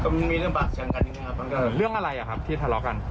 มันมีเรื่องบาดเสียงกันอีกไหมครับเรื่องอะไรอ่ะครับที่ทะเลาะกัน